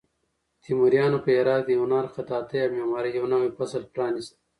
تیموریانو په هرات کې د هنر، خطاطۍ او معمارۍ یو نوی فصل پرانیست.